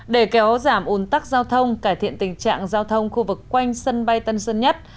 để kéo giảm ồn tắc giao thông cải thiện tình trạng giao thông khu vực quanh sân bay tân sơn nhất